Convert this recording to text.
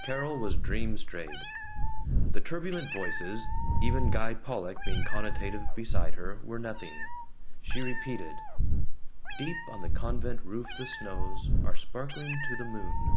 Carol was dream strayed. The turbulent voices, even Guy Pollock being connotative beside her, were nothing. She repeated: Deep on the convent roof the snows Are sparkling to the moon.